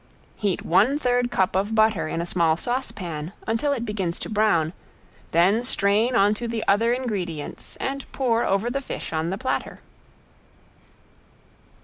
Heat one third cup of butter in a small saucepan until it begins to brown, then strain onto the other ingredients and pour over the fish on the platter.